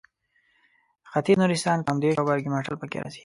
ختیځ نورستان کامدېش او برګمټال پکې راځي.